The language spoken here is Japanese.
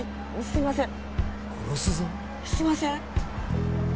すいません。